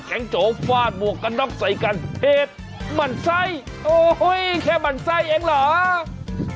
แข็งโจฟาดบวกกระน็อกใส่กันเพศบรรไซโอ้เฮ้ยแค่บรรไซเองเหรอ